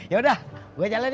yaudah gue jalan ya